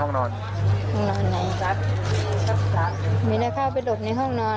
ห้องนอนไหนถ้าเข้าไปหลบในห้องนอน